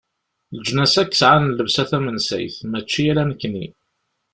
Leǧnas akk sɛan llebsa tamensayt, mačči ala nekni.